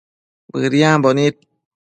Bëdiambo nid